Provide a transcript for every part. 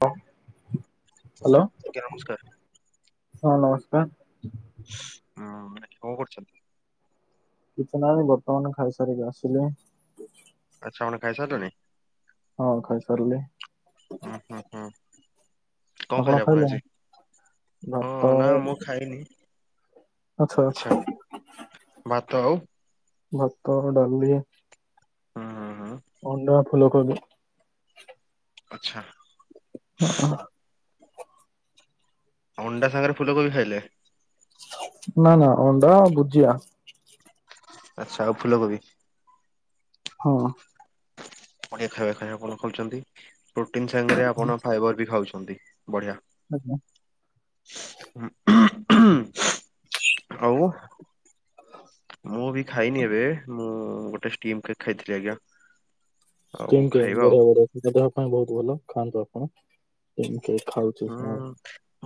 ହ ଆଜ୍ଞା ନମସ୍କାର ହଁ ନମସ୍କାର ଉଁ କଣ କରୁଛନ୍ତି? କିଛି ନାଁଇ ବର୍ତ୍ତମାନ ଖାଇସାରିକି ଆସିଲେ ଆଚ୍ଛା ଆପଣ ଖାଇସାରିଲଣି ହଁ ଖାଇ ସାରିଲି ଉହୁଁ ହଁ କଣ ଖାଇଲେ ଆପଣ ଆଜି ହଁ ଭାତ ନା ମୁଁ ଖାଇନି ଆଚ୍ଛା ଆଛା ଆଚ୍ଛା ଭାତ ଆଉ ଭାତ ଡାଲି ହୁଁ ହୁଁ ହୁଁ ଅଣ୍ଡା ଫୁଲକୋବି ଆଛା। ହ। ଅଣ୍ଡା ସାଙ୍ଗରେ ଫୁଲକୋବି ଖାଇଲେ? ନା ନା ଅଣ୍ଡା ଭୁଜିଆ ଆଚ୍ଛା ଆଉ ଫୁଲକୋବି। ହଁ। ବଢିଆ ଖାଇବା ଖାଇଆ ଖାଉଛନ୍ତି ପ୍ରୋଟିନ ସାଙ୍ଗରେ ଆପଣ ଫାଇବର ବି ଖାଉଛନ୍ତି ବଢିଆ ଆଜ୍ଞା। ହଉ। ମୁଁ ବି ଖାଇନି ଏବେ ମୁଁ ଗୋଟେ ଷ୍ଟିମ୍ କେକ ଖାଇଥିଲି ଆଜ୍ଞା। ଆଉ ଖାଇବା ଆଉ। ବଢିଆ ବଢିଆ ଦେହ ପାଇଁ ବହୁତ ଭଲ ଖାଆନ୍ତୁ ଆପଣ ଖାଉ ହୁଁ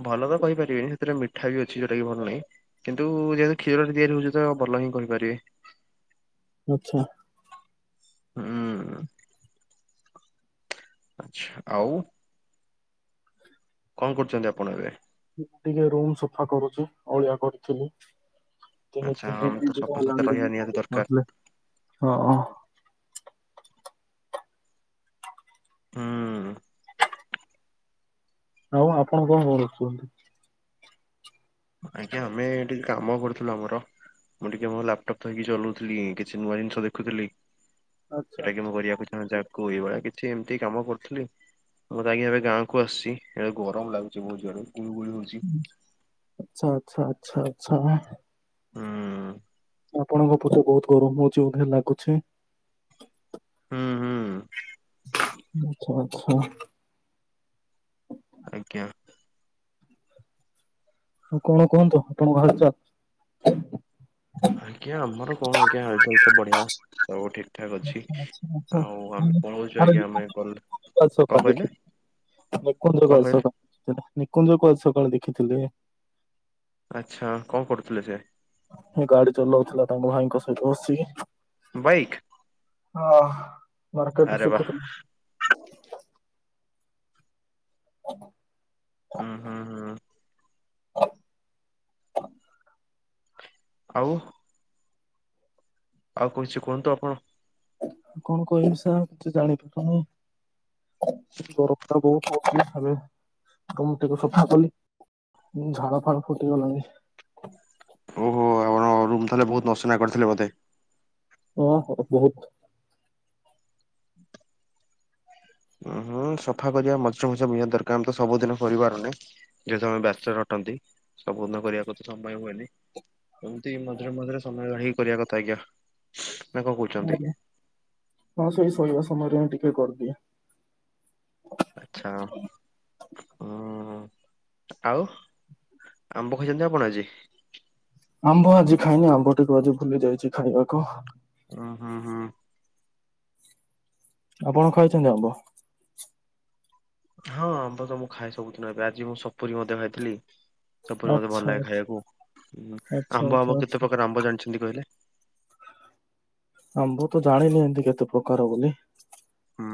ଭଲ ତ କହିପାରିବେନି ସେଥିରେ ମିଠା ବି ଅଛି ଯୋଉଟା କି ଭଲ ନାହିଁ। କିନ୍ତୁ ଯେହେତୁ କ୍ଷୀରରେ ତିଆରି ହଉଛି ତ ଭଲ ହିଁ କହିପାରିବେ। ଆଛା। ହୁଁ। ଆଛା ଆଉ କଣ କରୁଛନ୍ତି ଆପଣ ଏବେ? ମୁ ଟିକେ ରୁମ ସଫା କରୁଛି ଅଳିଆ କରିଥିଲି। ଆଚ୍ଛା ତିନିଦିନ ଆମେ ତ ଦି ଦିନ ସଫାସୁତୁରା ହେଲାରେ ରହିବା ନିହାତି ଦରକାର ପଡିଥିଲା ହଁ। ହୁଁ। ଆଉ ଆପଣ କଣ କରୁଚ? ଆଜ୍ଞା ଆମେ ଟିକେ କାମ କରୁଥିଲୁ ଆମର ମୁଁ ଟିକେ ମୋ ଲାପଟପ ଥୋଇକି ଚଲଉଥିଲି କିଛି ନୂଆ ଜିନିଷ ଦେଖୁଥିଲି। ଆଚ୍ଛା ଏଟା କି ମୁଁ ଆଚ୍ଛା କରିବାକୁ ଚାହୁଁଛି ଆଗକୁ ଏଇଭଳିଆ କିଛି ଏମିତି କାମ କରୁଥିଲି। ମୁଁ ଆଜ୍ଞା ଏବେ ଗାଁକୁ ଆସିଛି ଏବେ ଗରମ ଲାଗୁଛି ବହୁତ ଜୋରେ ଗୁଳୁଗୁଳି ହ ଆଛା ଆଚ୍ଛା ଆଛା ଆଚ୍ଛା। ହୁଁ। ଆପଣଙ୍କ ପଛେ ବହୁତ ଗରମ ହଉଚି ବଧେ ଲାଗୁଛି। ହୁଁ ହୁଁ। ଆଛା ଆଛା। ଆଜ୍ଞା। ହଉ କଣ କୁହନ୍ତୁ ଆପଣଙ୍କ ହାଲ ଚାଲ? ଆଜ୍ଞା ଆମର କଣ ଆଜ୍ଞା ହାଲଚାଲ ତ ବଢିଆ ସବୁ ଠିକ ଠାକ ଅଛି ଆଚ୍ଛା ଆଚ୍ଛା ଆଚ୍ଛା ଆଉ ଆମେ ହୁଁ। କଣ କହୁଛୁ ଆରେ ଆଜ୍ଞା ଆମେ ନିକୁଞ୍ଜକୁ କ ଆଜି ସକାଳେ ଦେଖି ନିକୁଞ୍ଜକୁ କଣ ଆଜି କହିଲେ ସକାଳେ ଦେଖିଥିଲି ନିକୁ୍ଞ୍ଜକୁ ଆଜି ସକାଳେ ଦେଖିଥିଲି। ଆଚ୍ଛା କଣ କରୁଥିଲେ ସେ? ଗାଡି ଚଲଉଥିଲା ତାଙ୍କ ଭାଇଙ୍କ ସହିତ ବସିକି। ବାଇକ୍? ହଁ ମାର୍କେଟରେ ଆରେ ବା ଶିଖୁଥି ହୁଁ ହୁଁ ହୁଁ। ଆଉ ଆଉ କୁଛି କୁହନ୍ତୁ ଆପଣ? ଆଉ କଣ କହିବି ସା କିଛି ଜାଣିପାରୁନି। ଗରମଟା ବହୁତ ହଉଛି ଏବେ ରୁମ ଟିକେ ସଫା କଲି। ଝାଳ ଫାଳ ଫୁଟିଗଲାଣି। ଓହୋ ଆପଣ ରୁମ୍ ତାହେଲେ ବହୁତ ଅସନା କରିଥିଲେ ବୋଧେ? ଓ ହୋ ବହୁତ ଅଁ, ହଁ ସଫା କରିବା ମଝିରେ ମଝିରେ ନିହାତି ଦରକାର ଆମେ ତ ସବୁଦିନ କରିପାରୁନେ। ଯେହେତୁ ଆମେ ବ୍ୟାଚଲର୍ ଅଟନ୍ତି, ସବୁଦିନ କରିବାକୁ ତ ସମୟ ହୁଏନି। ଏମତି ମଝିରେ ମଝିରେ ସମୟ କାଢିକି କରିବା କଥା ଆଜ୍ଞା। ନା କଣ କହୁଛନ୍ତି? ଆଜ୍ଞା ହଁ ସେଇ ଶୋଇବା ସମୟରେ ହିଁ ଟିକେ କରିଦିଏ। ଆଚ୍ଛା ହୁଁ ଆଉ ଆମ୍ବ ଖାଇଛନ୍ତି ଆପଣ ଆଜି? ଆମ୍ବ ଆଜି ଖାଇନି, ଆମ୍ବ ଟିକେ ଆଜି ଭୁଲି ଯାଇଛି ଖାଇବାକୁ। ଓ ହଁ, ହଁ। ଆପଣ ଖାଇଛନ୍ତି ଆମ୍ବ? ହଁ ଆମ୍ବ ତ ମୁଁ ଖାଏ ସବୁଦିନ। ଏବେ ଆଜି ମୁଁ ସପୁରୀ ମଧ୍ୟ ଖାଇଥିଲି। ସପୁରୀ ମୋତେ ଭଲ ଆଚ୍ଛା ଲାଗେ ଆଚ୍ଛା ଖାଇବାକୁ। ଉଁ, ଆଚ୍ଛା ଆମ୍ବ ଆଚ୍ଛା ଆମ୍ବ ଆଚ୍ଛା କେତେ ପ୍ରକାର ଆମ୍ବ ଜାଣିଛନ୍ତି କହିଲେ? ଆମ୍ଭ ତ ଜାଣିନି ଏମତି କେତେ ପ୍ରକାର ବୋଲି। ହୁଁ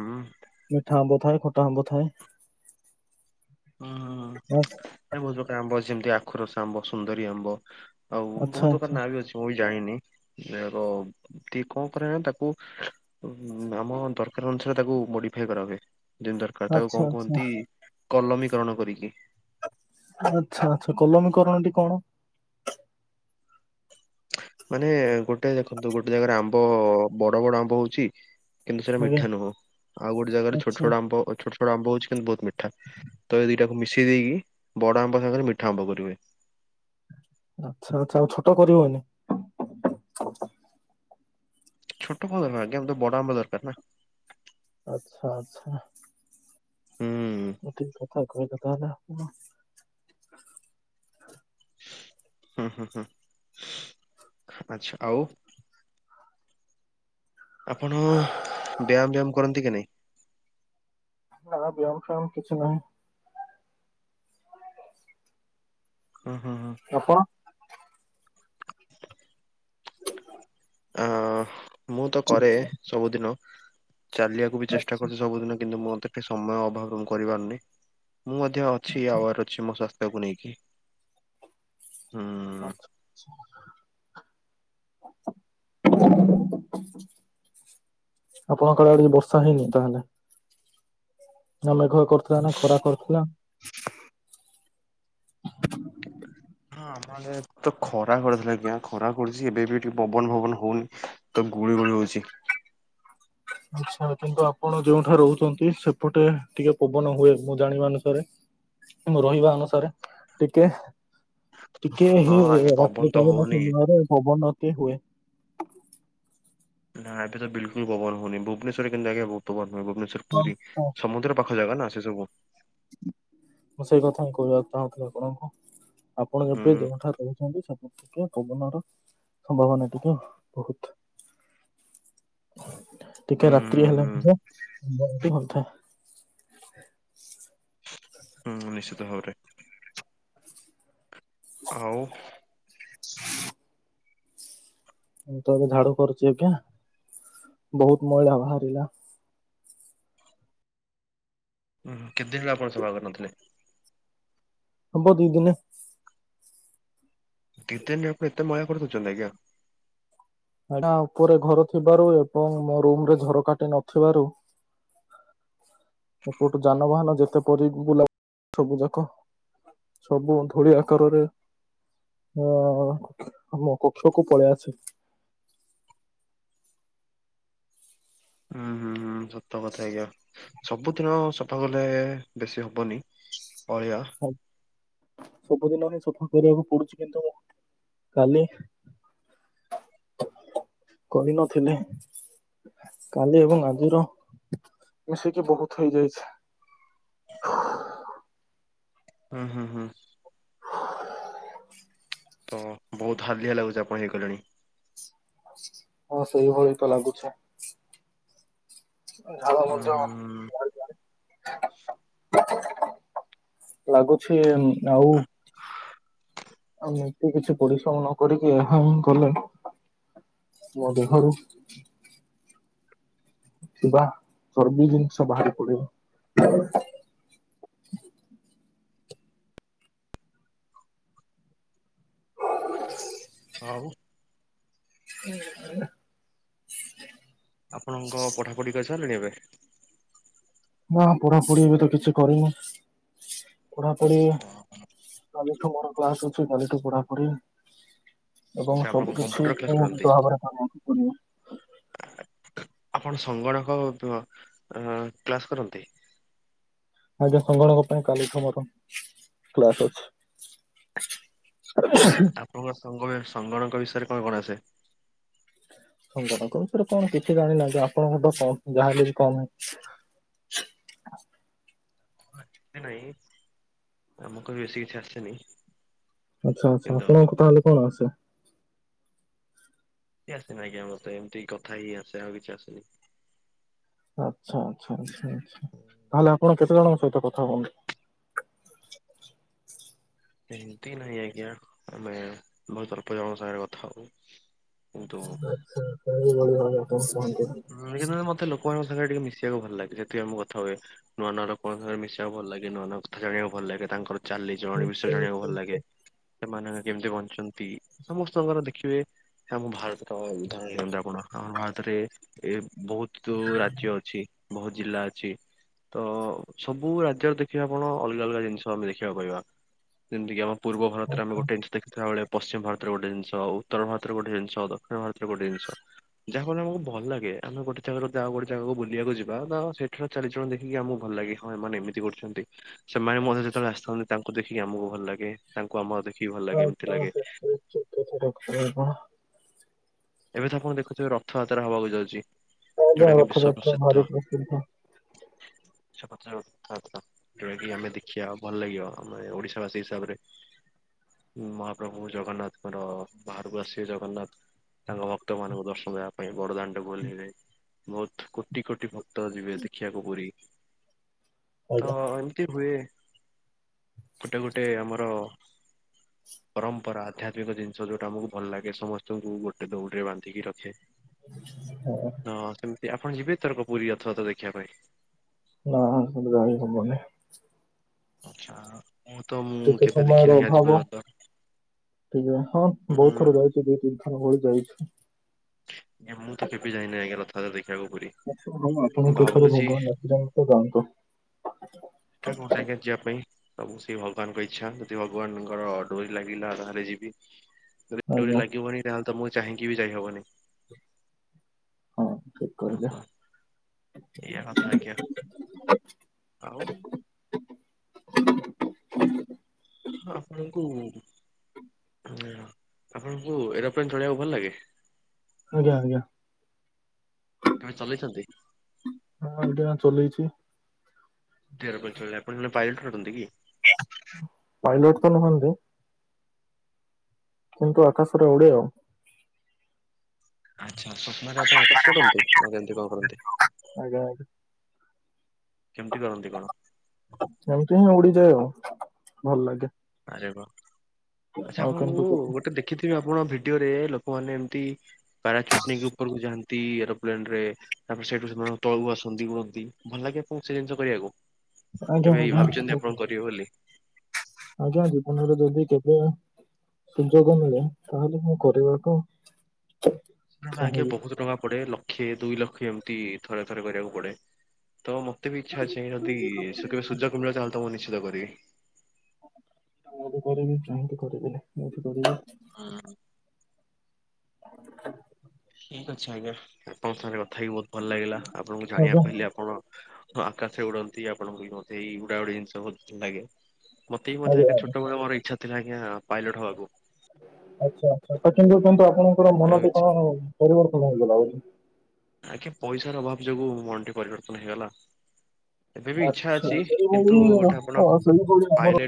ମିଠା ଆମ୍ବ ଥାଏ, ଖଟା ଆମ୍ବ ଥାଏ। ଅଁ, ହଁ, ହଁ ଆଚ୍ଛା ଏ ବହୁତ ପ୍ରକାର ଆମ୍ବ ଯେମତି ଆଖୁୁରସ ଆମ୍ବ ସୁନ୍ଦରୀ ଆମ୍ବ ଆଉ ଆଚ୍ଛା ବହୁତ ପ୍ରକାର ଆଚ୍ଛା। ନାଁ ବି ଅଛି। ମୁଁ ବି ଜାଣିନି। ଏହା ଏକ ଟି କଣ କରାଯାଏ ତାକୁ ଅଁ, ଉଁ, ଆମ ଦରକାର ଅନୁସାରେ ତାକୁ ମୋଡିଫାଏ କରା ହୁଏ। ଯେମତି ଦରକାର, ତାକୁ ଆଚ୍ଛା କଣ ଆଚ୍ଛା କୁହନ୍ତି କଲମୀକରଣ କରିକି। ଆଚ୍ଛା, ଆଚ୍ଛା, କଲମୀକରରଣ ଟି କଣ? ମାନେ ଗୋଟେ ଦେଖନ୍ତୁ ଗୋଟେ ଜାଗାରେ ଆମ୍ବ ବଡ ବଡ ଆମ୍ବ ହଉଚି। କିନ୍ତୁ ସେଟା ଆଜ୍ଞା ମିଠା ନୁହଁ। ଆଉ ଗୋଟେ ଜାଗାରେ ଛୋଟ ଆଚ୍ଛା। ଛୋଟ ଆମ୍ବ ଅ, ଛୋଟ ଛୋ ଟ ଆମ୍ବ ହଉଛି କିନ୍ତୁ ବହୁତ ମିଠାତ ଏଇ ଦିଟାକୁ ମିଶେଇ ଦେଇକି ବଡ ଆମ୍ବ ସାଙ୍ଗରେ ମିଠା ଆମ୍ବ କରିବେ। ଆଚ୍ଛା, ଆଚ୍ଛା, ଆଉ ଛୋଟ କରିହବନି? ଛୋଟ କଣ ଦରକାର ଆଜ୍ଞା ଆମେ ତ ବଡ ଆମ୍ବ ଦରକାର ନା। ଆଚ୍ଛା, ଆଚ୍ଛା। ହୁଁ। ଗୋଟିଏ କଥା କହିଲେ ତାହାଲେ ଆପଣ। ହଁ, ହଁ, ହଁ ଆଚ୍ଛା ଆଉ। ଆପଣ ବ୍ୟାୟାମ ବ୍ୟାୟାମ କରନ୍ତି କି ନାଇ? ନା ବ୍ୟାୟାମ ଫ୍ୟାୟାମ କିଛି ନାହିଁ। ଅଁ, ହଁ, ହଁ। ଆପଣ? ଆ, ହୋ, ହୋ, ମୁଁ ତ କରେ ସବୁଦିନ। ଚାଲିବା କୁ ବି ଚେଷ୍ଟା ଆଚ୍ଛା କରୁଚି ସବୁ ଦିନ କିନ୍ତୁ ମୋତେ ଫେ ସମୟ ଅଭାବରୁ ମୁଁ କରିପାରୁନି। ମୁଁ ମଧ୍ୟ ଅଛି ଆଚ୍ଛା ଆଉ ଆର ଛି ମୋ ସ୍ୱାସ୍ଥ୍ୟ କୁ ନେଇକି। ହୁଁ। ଆଚ୍ଛା, ଆଚ୍ଛା। ଆପଣଙ୍କ ଆଡେ ଆଜି ବର୍ଷା ହେଇନି ତାହେଲେ? ନା ମେଘୁଆ କରଥିଲା ନା ଖରା କରଥିଲା? ହଁ ଆମ ଆଡେ ତ ଖରା କରିଥିଲା ଆଜ୍ଞା। ଖରା କରଛି ଏବେ ବି ଟିକେ ପବନ ଫବନ ହଉନି। ତ ଗୁଳି ଗୁଳି ହଉଛି। ଆଚ୍ଛା, କିନ୍ତୁ ଆପଣ ଯୋଉଠା ରହୁଚନ୍ତି ସେପଟେ ଟିକେ ପବନ ହୁଏ ମୁଁ ଜାଣିବା ଅନୁସାରେ। ଏ ମୋ ରହିବା ଅନୁସାରେ ଟିକେ ଟିକେ ହଁ ହିଁ ଆଜ୍ଞା ପବନ ରାତ୍ରୀ ତ କାଳୀନ ହଉନି। ସମୟରେ ପବନ କେ ହୁଏ। ନା ଏବେ ତ ବିଲକୁଲ୍ ପବନ ହଉନି ଭୁବନେଶ୍ୱର ରେ କିନ୍ତୁ ଆଜ୍ଞା ବହୁତ୍ ପବନ ହୁଏ। ଭୁବନେଶ୍ୱର ପୁରୀ ହଁ ସମୁଦ୍ର ପାଖ ଜାଗା ନା ସେ ସବୁ। ମୁଁ ସେଇ କଥା ହିଁ କହିବାକୁ ଚାହୁଁଥିଲି ଆପଣଙ୍କୁ। ଆପଣ ହୁଁ ଏବେ ଯୋଉଁଠାରେ ରହୁଛନ୍ତି ସେ ଟିକେ ପବନର ସମ୍ଭାବନା ଟିକେ ବହୁତ। ଟିକେ ରାତ୍ରି ହୁଁ ହେଲେ ହୁଁ ମଧ୍ୟ ପବନ ଟି ହଉଥାଏ। ହୁଁ ନିଶ୍ଚିତ ଭାବରେ। ଆଉ ମୁଁ ତ ଏବେ ଝାଡୁ କରୁଚି ଆଜ୍ଞା ବହୁତ୍ ମଇଳା ବାହାରିଲା। ହୁଁ କେତେଦିନ ହେଲା ଆପଣ ସଫା କରିନଥିଲେ? ହବ ଦି ଦିନ। ଦି ଦିନ ରେ ଆପଣ ଏତେ ମଇଳା କରିଦଉଚନ୍ତି ଆଜ୍ଞା? ଏଡା ଉପରେ ଘର ଥିବାରୁ ଏବଂ ମୋ ରୁମ୍ ରେ ଝରକା ଟି ନଥିବାରୁ ଏପଟୁ ଯାନବାହନ ଯେତେପରି ବୁଲା ସବୁଯାକ ସବୁ ଧୂଳି ଆକାରରେ ହଁ ମୋ କକ୍ଷକୁ ପଳେଇଆସେ। ହୁଁ-ହୁଁ-ହୁଁ ସତ କଥା ଆଜ୍ଞା, ସବୁଦିନ ସଫା କଲେ ବେଶୀ ହବନି ଅଳିଆ। ସବୁଦିନ ହିଁ ସଫା କରିବାକୁ ପଡୁଛି କିନ୍ତୁ କାଲି କରିନଥିଲି। କାଲି ଏବଂ ଆଜିର ମିଶିକି ବହୁତ୍ ହେଇଯାଇଛି। ହୁଁ-ହୁଁ-ହୁଁ। ତ ବହୁତ୍ ହାଲିଆ ଲାଗୁଛି ଆପଣ ହେଇଗଲେଣି। ହଁ ସେଇଭଳି ତ ଲାଗୁଛି। ଝାଳ ଉଁ ହୁଁ। ମଧ୍ୟ ଲାଗୁଛି ଆଉ ଆମେ ଏତିକି କିଛି ପରିଶ୍ରମ ନ କରିକି ଏହାହିଁ କଲେ ମୋ ଦେହରୁ ଥିବା ଚର୍ବି ଜିନିଷ ବାହାରି ପଡିବ। ଆଉ [inaudible] ଆପଣଙ୍କ ପଢ଼ାପଢ଼ି କରିସାରିଲେଣି ଏବେ? ନା ପଢାପଢି ଏବେ ତ କିଛି କରିନି। ପଢାପଢି କାଲିଠୁ ମୋର କ୍ଲାସ୍ ଅ ଛି କାଲିଠୁ ପଢ଼ାପାଢ଼ୀ ସେ ଏବଂ ଆପଣ ସବୁ କିଛି କମ୍ପ୍ୟୁଟର କ୍ଲାସ [unintelligible] କରନ୍ତି। କରିବାକୁ ପଡିବ। ଆପଣ ସଂଗଳକ ବ ଅଁ କ୍ଲାସ୍ କରନ୍ତି? ଆଜ୍ଞା ସଂଗଳକ ପାଇଁ କାଲିଠୁ ମୋର କ୍ଲାସ୍ ଅଛି। ଆପଣଙ୍କ [unintelligible] ବିଷୟରେ କଣ-କଣ ଆସେ? ସଂଗଳକ ବିଷୟରେ କଣ କିଛି ଜାଣିନାହାନ୍ତି, ଆପଣଙ୍କଠୁ କମ୍ ଯାହା ହେଲେବି କମ୍। [unintelligible] ନାଇଁ ଆମକୁ ବି ବେଶୀ କିଛି ଆସେନି। ଆଚ୍ଛା-ଆଚ୍ଛା କିନ୍ତୁ ଆପଣଙ୍କୁ ତାହେଲେ କଣ ଆସେ? କିଛି ଆସେନି ଆଜ୍ଞା ମତେ ଏମିତି କଥା ହିଁ ଆସେ, ଆଉ କିଛି ଆସେନି। ଆଚ୍ଛା-ଆଚ୍ଛା-ଆଚ୍ଛା-ଆଛା ତାହେଲେ ଆପଣ କେତେ ଜଣଙ୍କ ସହିତ କଥା ହୁଅନ୍ତି? ସେମ୍ତି ନାହିଁ ଆଜ୍ଞା, ଆମେ ବହୁତ୍ ଅଳ୍ପ ଜଣଙ୍କ ସାଙ୍ଗେରେ କଥା ହଉ। କିନ୍ତୁ ଆଚ୍ଛା-ଆଚ୍ଛା ଆପଣ ଏଇଭଳି ଭାବେ [unintelligible] [unintelligible] ମତେ ଲୋକମାନଙ୍କ ସାଙ୍ଗେରେ ଟିକେ ମିଶିବାକୁ ଭଲ ଲାଗେ, ସେଥିପାଇଁ ମୁଁ କଥା ହୁଏ। ନୂଆ-ନୂଆ ଲୋକଙ୍କ ସାଙ୍ଗେରେ ମିଶିବାକୁ ଭଲ୍ ଲାଗେ, ନୂଆ-ନୂଆ କଥା ଜଣିବାକୁ ଭଲ୍ ଲାଗେ ତାଙ୍କର ଚାଲି ଚଳଣି ବିଷୟରେ ଜାଣିବାକୁ ଭଲ୍ ଲାଗେ। ସେମାନେ କେମିତି ବଞ୍ଚନ୍ତି, ସମସ୍ତଙ୍କର ଦେଖିବେ ଆମ ଭାରତର ଉଦାହରଣ [unintelligible] ଆପଣ ଆମ ଭାରତରେ ଏ ବହୁତ୍ ରାଜ୍ୟ ଅଛି, ବହୁତ ଜିଲ୍ଲା ଅଛି ତ ସବୁ ରାଜ୍ୟରେ ଦେଖିବେ ଆପଣ ଅଲଗା-ଅଲଗା ଜିନିଷ ଆମେ ଦେଖିବାକୁ ପାଇବା। ଯେମ୍ କି ଆମ ପୂର୍ବ ଭାରତରେ ଆମେ [unintelligible] ଦେଖିଥିବା ବେଳେ ପଶ୍ଚିମ ଭାରତରେ ଗୋଟେ ଜିନିଷ, ଉତ୍ତର ଭାରତରେ ଗୋଟେ ଜିନିଷ, ଦକ୍ଷିଣ ଭାରତରେ ଗୋଟେ ଜିନିଷ [unintelligible] ଆମକୁ ଭଲ ଲାଗେ। ଆମେ ଗୋଟେ ଜାଗାରୁ ଯଦି ଆଉ ଗୋଟେ ଜାଗାକୁ ବୁଲିଆକୁ ଯିବା ତ ସେଠାରେ ଚାଲି ଚଳନ ଦେଖିକି ଆମକୁ ଭଲ ଲାଗେ, ହଁ ଏ ଏମିତି ଗୋଟେ ଅଛନ୍ତି। ସେମାନେ ମଧ୍ୟ ଯେତେବେଳେ ଆସିଥାନ୍ତି ତାଙ୍କୁ ଦେଖିକି ଆମକୁ ଭଲ ଲାଗେ ତାଙ୍କୁ ଆମର ଦେଖିକି ଭଲ ଲାଗେ ଏମିତି ଲାଗେ। [unintelligible] ଏବେ ତ ଆପଣ ଦେଖୁଥିବେ ରଥଯାତ୍ରା ହବାକୁ ଯାଉଛି। [unintelligible] କଥା ଯଉଟା କି ଆମେ ଦେଖିବା ଭଲ ଲାଗିବ। ଆମେ ଓଡିଶା ବାସୀ ହିସାବରେ। ମହାପ୍ରଭୁ ଜଗନ୍ନାଥଙ୍କର ବାହାରୁକୁ ଆସିବ ଜଗନ୍ନାଥ ତାଙ୍କ ଭକ୍ତ ମାନଙ୍କୁ ଦର୍ଶନ ଦେବା ପାଇଁ ବଡଦାଣ୍ଡ ଙ୍କୁ ଓଲ୍ହେଇବେ ବହୁତ କୋଟି କୋଟି ଭକ୍ତ ତ ଯିବେ ଦେଖିଆ କୁ ପୁରି ତ ଆଜ୍ଞା ଏମିତି ହୁଏ ଗୋଟେ ଗୋଟେ ଆମର ପରମ୍ପରା ଆଧ୍ୟାତ୍ମିକ ଜିନିଷ ଯୋଉଟା ଆମକୁ ଭଲ ଲାଗେ ସମସ୍ତଙ୍କୁ ଗୋଟେ ଗୋଟେ ଦୌଡ଼ରେ ବାନ୍ଧିକି ରଖେ ହଁ ହଁ ସେମିତି ଆପଣ ଯିବେ ଏଥରକ ପୁରୀ ରଥ ଯାତ୍ରା ଦେଖିବା ପାଇଁ? ଆ ସେଠି ରହି ହବନି। ଆଚ୍ଛା ମୁଁ ତ ମୁଁ କେବେ ଦେଖିନାହିଁ ଆଜି ପର୍ଯ୍ୟନ୍ତ। ଠିକ ହଁ ବହୁତ ହୁଁ ଥର ଯାଇଛି ଦିଇ ତିନି ଥର ପରେ ଯାଇଛି ଆଜ୍ଞା ମୁଁ କେବେ ଯାଇନିଁ ଆଜ୍ଞା ରଥାରେ ଦେଖିବାକୁ ପୁରି ଆପଣ କେତେ ଥର [unintelligible] ତାଙ୍କ ସାଙ୍ଗେ ଯିବା ପାଇଁ ସବୁ ସେ ଭଗବାନଙ୍କ ଇଚ୍ଛା ଯଦି ଭଗବାନଙ୍କର ଡୋରି ଲାଗିଲା ତାହେଲେ ଯିବି। ରେ ଡରି ଆଜ୍ଞା ଲାଗିବନି ତାହେଲେ ତମକୁ ଚାହିଁକି ବି ଯାଇହବନି ହଁ ଠିକ କହିଲେ। ଓହୋ ଏଇଆ କଥା ଆଜ୍ଞା ଆଉ। ହ ଆପଣଙ୍କୁ ଆପଣଙ୍କୁ ଏରୋପ୍ଲେନ ଚଢିବାକୁ ଭଲ ଲାଗେ? ଆଜ୍ଞା ଆଜ୍ଞା କେବେ ଚଲେଇଛନ୍ତି? ଏୟୀଟା ଚଲେଇଛି [unintelligible] ପାଇଲଟ ତ ନୁହନ୍ତି କିନ୍ତୁ ଆକାଶରେ ଉଡେ ଆଉ ଆଚ୍ଛା ସ୍ୱପ୍ନରେ ଆପଣ ଆକାଶରେ ଉଡନ୍ତି ନା କେନ୍ତି କଣ କରନ୍ତି? ଆଜ୍ଞ ଆ କେମିତି କରନ୍ତି କଣ? ସେମତି ହିଁ ଉଡିଯାଏ ଆଉ ଭଲ ଲାଗେ। ଆରେ ୱାହ ଆଚ୍ଛା ଆଉ ଆପଣଙ୍କୁ କିନ୍ତୁ କେତେ ଗୋଟେ ଦେଖ ଦେଖିଥିବେ ଆପଣଙ୍କ ଭିଡିଓ ରେ ଲୋକମାନେ ଏମିତି ପାରାଚୁଟ୍ ନେଇକି ଉପରକୁ ଯାଆନ୍ତି ଏରୋପ୍ଲେନ ରେ ତାପରେ ସେଇଠୁ ସେମାନ ତଳକୁ ଆସନ୍ତି ଉଡ଼ନ୍ତି, ଭଲ ଲାଗେ ଆପଣଙ୍କୁ ସେ ଜିନିଷ କରିବାକୁ ଆଜ୍ଞା ଏବେ ଭାବିଛନ୍ତି ଆପଣ କରିବେ ବୋଲି? ଆଜ୍ଞା ଆଜ୍ଞା ଜୀବନରେ ଯଦି କେବେ ସୁଯୋଗ ମିଳେ ତାହେଲେ ମୁଁ କରିବାକୁ ନା ଆଜ୍ଞା ଚାହିଁବି। ବହୁତ ଟଙ୍କା ପଡେ ଲକ୍ଷେ ଦୁଇ ଲକ୍ଷେ ଏମିତି ଥରେ ଥରେ କରିବାକୁ ପଡେ। ତ ମତେ ବି ଇଚ୍ଛା ଅଛି ଯଦି ସେ କେବେ ସୁୂଯୋଗ ମିଳେ ତାହେଲେ ତ ମୁଁ ନିଶ୍ଚିତ କରିବି। ମୁଁ ବି କରିବି, କାହିଁକି କରିବିନି, ମୁ କରିବି। ହଁ [inaudible] ଠିକ ଅଛି ଆଜ୍ଞା ଆପଣଙ୍କ ସାଙ୍ଗରେ କଥା ହେଇକି ବହୁତ ଭଲ ଲାଗିଲା ଆପଣଙ୍କୁ ଆଜ୍ଞା ଜାଣିବାକୁ ପାଇଲି ଆପଣ ହଁ ଆକାଶରେ ଉଡନ୍ତି ଆପଣଙ୍କୁ ବି ମୋତେ ଏଇ ଉଡା ଉଡ଼ି ଜିନିଶ ବହୁତ ଲାଗେ। ମତେ ବି ମଧ୍ୟ ଆଜ୍ଞା ଛୋଟବଳେ ମୋର ଇଚ୍ଛା ଥିଲା ଆଜ୍ଞା ପାଇଲଟ ହବାକୁ। ଆଚଛା ଆଚ୍ଛା ତ କିନ୍ତୁ କିନ୍ତୁ ଆପଣଙ୍କର ମନଟି କଣ ପରିବର୍ତ୍ତନ ହେଇଗଲା। ଆଜ୍ଞା ପଇସାର ଅଭାବ ଯୋଗୁ ମନ ଟି ପରିବର୍ତ୍ତନ ହେଇଗଲା। ଏବେ ବି ଇଚଛା ଆଚ୍ଛା ଅଛି କିନ୍ତୁ ସେଇଭଳି ଗୋଟେ ଆପଣ ହଁ ସେଇଭଳି ଆମର ପାଇଲଟ